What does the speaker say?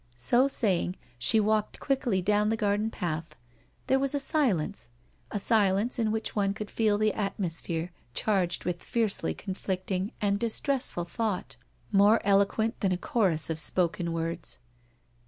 *' So saying, she walked quickly down the garden path. There was a silence, a silence in which one could feel the atmosphere charged with fiercely conflict ing and distressful thought, more eloquent than a chorus of spoken words.